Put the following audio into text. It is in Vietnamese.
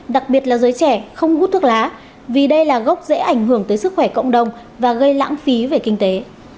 đặc biệt là giới trẻ không hút thuốc lá vì đây là gốc dễ ảnh hưởng tới sức khỏe cộng đồng và gây lãng phí về kinh tế